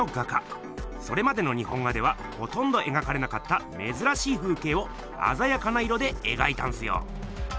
それまでの日本画ではほとんどえがかれなかった珍しい風けいをあざやかな色でえがいたんすよ。